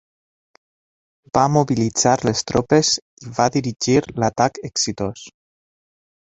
Va "mobilitzar les tropes i va dirigir l'atac exitós".